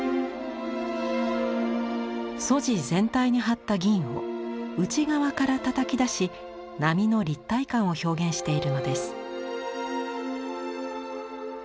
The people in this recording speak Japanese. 素地全体に張った銀を内側からたたき出し波の立体感を表現しているのです。